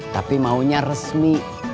tapi maunya resmi